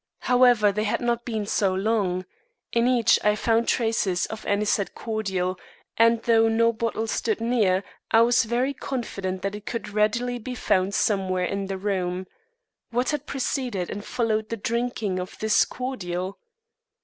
However, they had not been so long. In each I found traces of anisette cordial, and though no bottle stood near I was very confident that it could readily be found somewhere in the room. What had preceded and followed the drinking of this cordial?